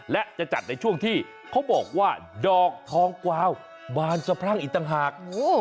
และจะจัดในช่วงที่เขาบอกว่าดอกทองกวาวบานสะพรั่งอีกต่างหาก